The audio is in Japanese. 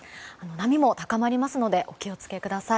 波も高まりますのでお気をつけください。